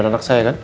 bener anak saya kan